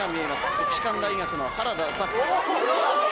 国士舘大学の原田拓。